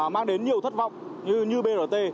mang đến nhiều thất vọng như brt